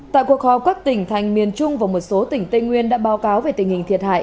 tại cuộc họp các tỉnh thành miền trung và một số tỉnh tây nguyên đã báo cáo về tình hình thiệt hại